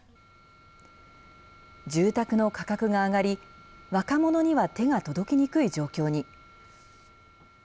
住宅の価格が上がり、若者には手が届きにくい状況に。